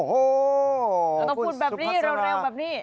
ต้องพูดแบบนี้เร็วแบบนี้